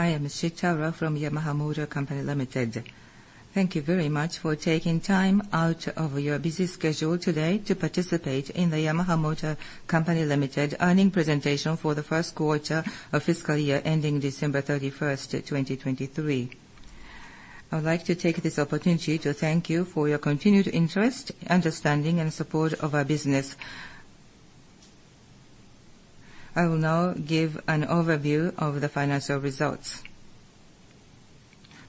I am Shitara from Yamaha Motor Company Limited. Thank you very much for taking time out of your busy schedule today to participate in the Yamaha Motor Company Limited earnings presentation for the first quarter of fiscal year ending December 31st, 2023. I would like to take this opportunity to thank you for your continued interest, understanding, and support of our business. I will now give an overview of the financial results.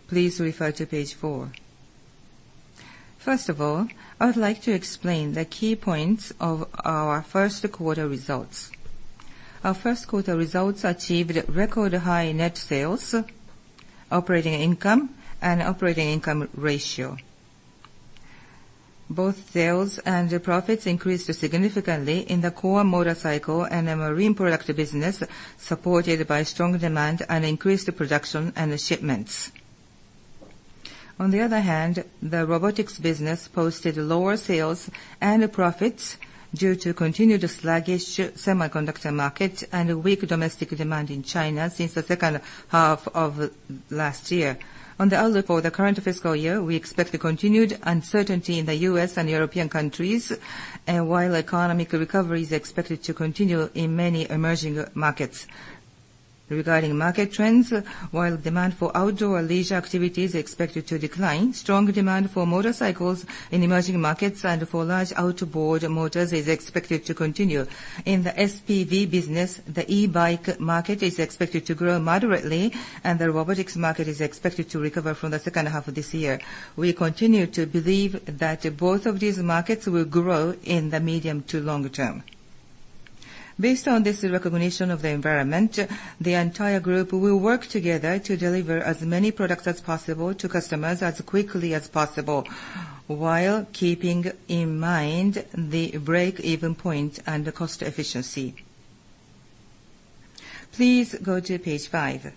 Please refer to page four. First of all, I would like to explain the key points of our first quarter results. Our first quarter results achieved record high net sales, operating income, and operating income ratio. Both sales and profits increased significantly in the core motorcycle and the marine product business, supported by strong demand and increased production and shipments. On the other hand, the robotics business posted lower sales and profits due to continued sluggish semiconductor market and weak domestic demand in China since the second half of last year. On the outlook for the current fiscal year, we expect the continued uncertainty in the U.S. and European countries, and while economic recovery is expected to continue in many emerging markets. Regarding market trends, while demand for outdoor leisure activity is expected to decline, strong demand for motorcycles in emerging markets and for large outboard motors is expected to continue. In the SPV business, the e-Bike market is expected to grow moderately, and the robotics market is expected to recover from the second half of this year. We continue to believe that both of these markets will grow in the medium to long term. Based on this recognition of the environment, the entire group will work together to deliver as many products as possible to customers as quickly as possible, while keeping in mind the break-even point and the cost efficiency. Please go to page five.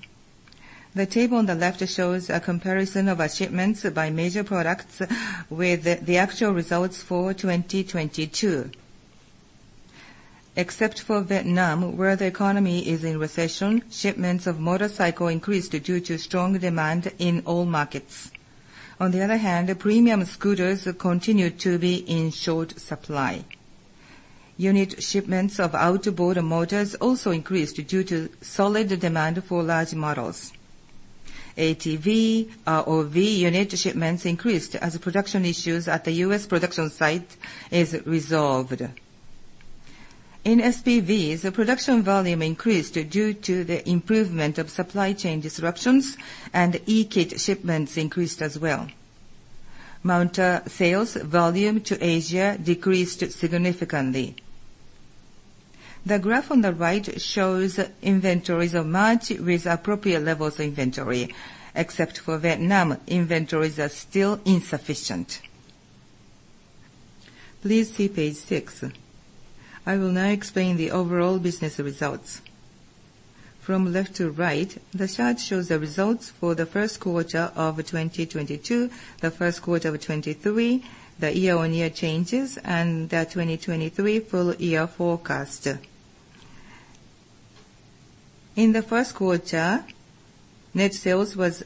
The table on the left shows a comparison of our shipments by major products with the actual results for 2022. Except for Vietnam, where the economy is in recession, shipments of motorcycle increased due to strong demand in all markets. On the other hand, premium scooters continued to be in short supply. Unit shipments of outboard motors also increased due to solid demand for large models. ATV, ROV unit shipments increased as production issues at the U.S. production site is resolved. In SPVs, the production volume increased due to the improvement of supply chain disruptions, and e-kit shipments increased as well. Mounter sales volume to Asia decreased significantly. The graph on the right shows inventories of March with appropriate levels of inventory. Except for Vietnam, inventories are still insufficient. Please see page 6. I will now explain the overall business results. From left to right, the chart shows the results for the first quarter of 2022, the first quarter of 2023, the year-on-year changes, and the 2023 full year forecast. In the first quarter, net sales was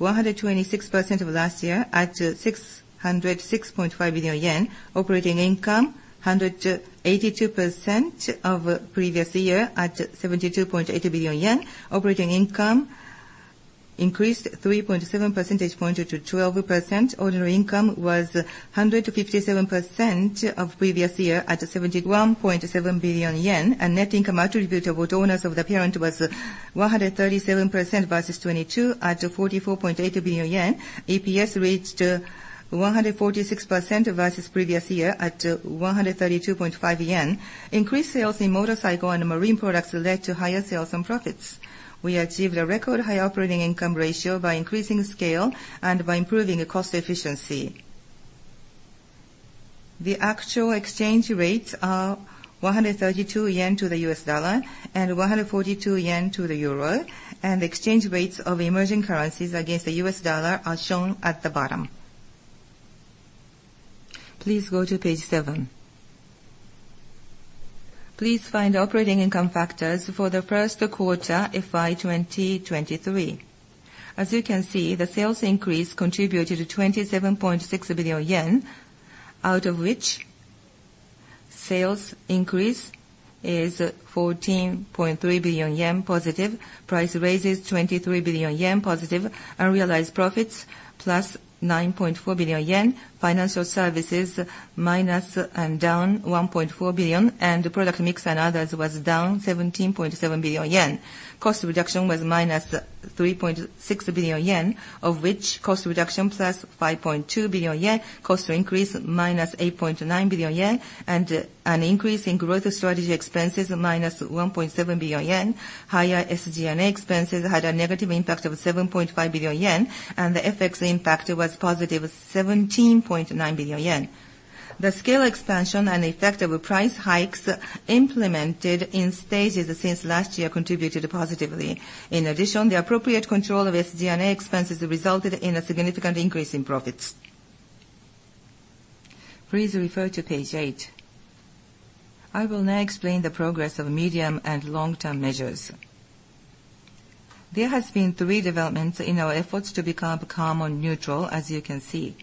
126% of last year at 606.5 billion yen. Operating income, 182% of previous year at 72.8 billion yen. Operating income increased 3.7 percentage point to 12%. Ordinary income was 157% of previous year at 71.7 billion yen. Net income attributable to owners of the parent was 137% versus 2022 at 44.8 billion yen. EPS reached 146% versus previous year at 132.5 yen. Increased sales in motorcycle and marine products led to higher sales and profits. We achieved a record high operating income ratio by increasing scale and by improving cost efficiency. The actual exchange rates are 132 yen to the U.S. dollar and 142 yen to the euro, and exchange rates of emerging currencies against the U.S. dollar are shown at the bottom. Please go to page seven. Please find operating income factors for the first quarter, FY 2023. As you can see, the sales increase contributed to 27.6 billion yen, out of which sales increase is +14.3 billion yen, price raises +23 billion yen, unrealized profits +9.4 billion yen, financial services -1.4 billion, and product mix and others was -17.7 billion yen. Cost reduction was -3.6 billion yen, of which cost reduction +5.2 billion yen, cost increase -8.9 billion yen, and an increase in growth strategy expenses -1.7 billion yen. Higher SG&A expenses had a negative impact of -7.5 billion yen, the FX impact was +7.9 billion yen. The scale expansion and effective price hikes implemented in stages since last year contributed positively. In addition, the appropriate control of SG&A expenses resulted in a significant increase in profits. Please refer to page eight. I will now explain the progress of medium and long-term measures. There has been three developments in our efforts to become carbon neutral, as you can see.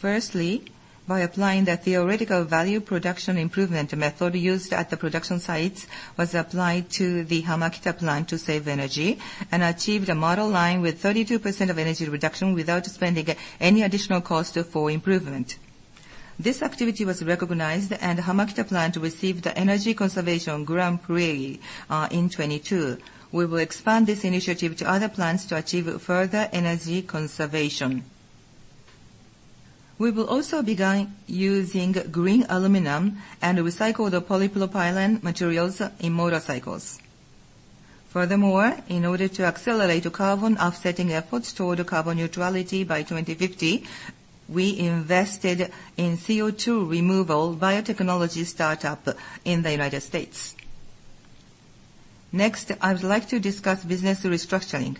Firstly, by applying the theoretical value production improvement method used at the production sites was applied to the Hamakita Plant to save energy and achieved a model line with 32% of energy reduction without spending any additional cost for improvement. This activity was recognized, and Hamakita Plant received the Energy Conservation Grand Prize in 2022. We will expand this initiative to other plants to achieve further energy conservation. We will also begin using green aluminum and recycled polypropylene materials in motorcycles. In order to accelerate carbon offsetting efforts toward carbon neutrality by 2050, we invested in CO2 removal biotechnology startup in the U.S. I would like to discuss business restructuring.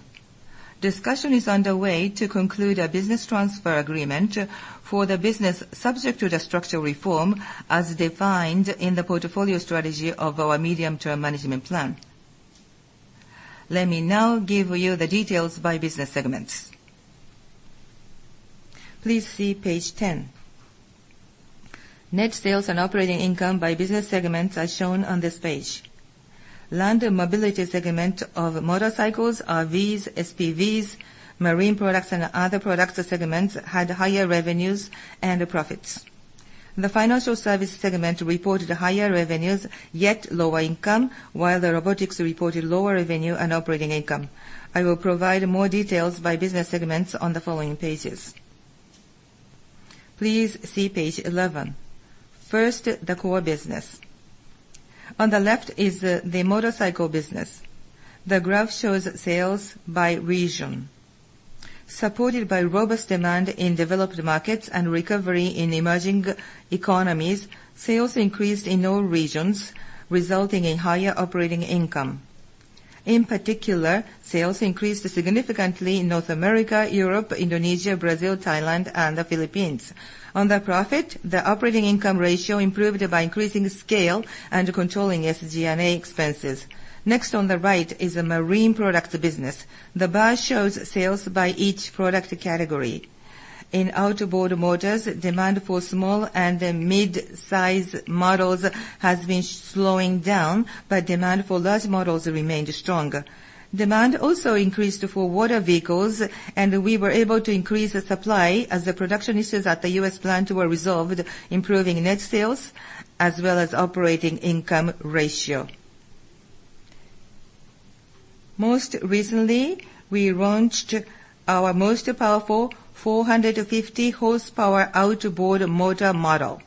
Discussion is underway to conclude a business transfer agreement for the business subject to the structural reform, as defined in the portfolio strategy of our medium-term management plan. Let me now give you the details by business segments. Please see page 10. Net sales and operating income by business segments are shown on this page. Land and mobility segment of motorcycles, RVs, SPVs, marine products and other products segments had higher revenues and profits. The financial service segment reported higher revenues, yet lower income, while the robotics reported lower revenue and operating income. I will provide more details by business segments on the following pages. Please see page 11. The core business. On the left is the motorcycle business. The graph shows sales by region. Supported by robust demand in developed markets and recovery in emerging economies, sales increased in all regions, resulting in higher operating income. In particular, sales increased significantly in North America, Europe, Indonesia, Brazil, Thailand and the Philippines. On the profit, the operating income ratio improved by increasing scale and controlling SG&A expenses. On the right is the marine products business. The bar shows sales by each product category. In outboard motors, demand for small and then mid-size models has been slowing down, but demand for large models remained strong. Demand also increased for water vehicles, and we were able to increase the supply as the production issues at the U.S. plant were resolved, improving net sales as well as operating income ratio. Most recently, we launched our most powerful 450 horsepower outboard motor model.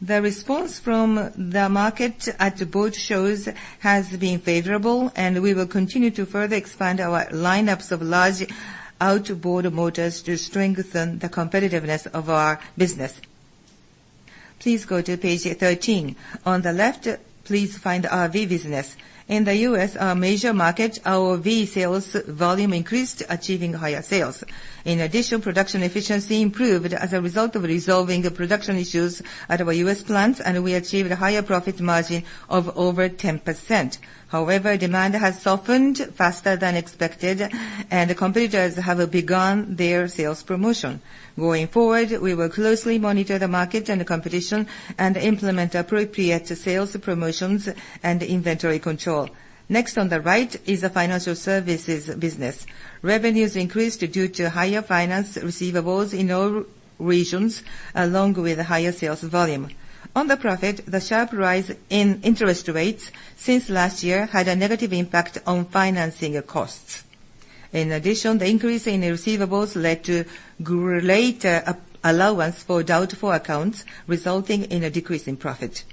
The response from the market at boat shows has been favorable, and we will continue to further expand our lineups of large outboard motors to strengthen the competitiveness of our business. Please go to page 13. On the left, please find RV business. In the U.S., our major market, RV sales volume increased, achieving higher sales. In addition, production efficiency improved as a result of resolving the production issues at our U.S. plants, and we achieved a higher profit margin of over 10%. However, demand has softened faster than expected, and the competitors have begun their sales promotion. Going forward, we will closely monitor the market and the competition and implement appropriate sales promotions and inventory control. Next, on the right is the financial services business. Revenues increased due to higher finance receivables in all regions, along with higher sales volume. On the profit, the sharp rise in interest rates since last year had a negative impact on financing costs. In addition, the increase in receivables led to greater allowance for doubtful accounts, resulting in a decrease in profit.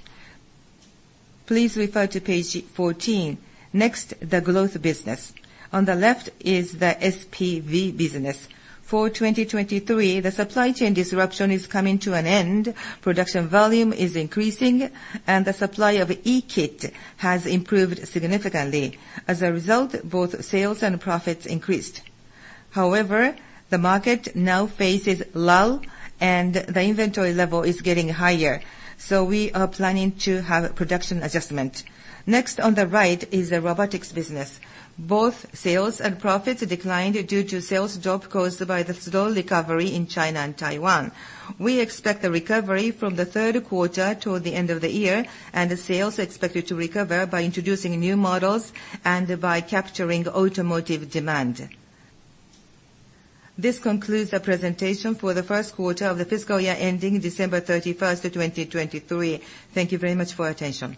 Please refer to page 14. The growth business. On the left is the SPV business. For 2023, the supply chain disruption is coming to an end, production volume is increasing, and the supply of e-Kit has improved significantly. As a result, both sales and profits increased. The market now faces lull and the inventory level is getting higher, so we are planning to have production adjustment. On the right is the robotics business. Both sales and profits declined due to sales drop caused by the slow recovery in China and Taiwan. We expect the recovery from the third quarter toward the end of the year, and the sales are expected to recover by introducing new models and by capturing automotive demand. This concludes the presentation for the first quarter of the fiscal year ending December 31st of 2023. Thank you very much for your attention.